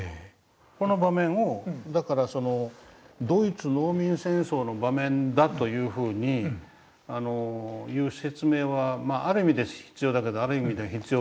この場面をだからドイツ農民戦争の場面だというふうにいう説明はまあある意味で必要だけどある意味では必要なくて。